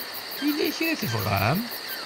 Yella kra i tebɣam?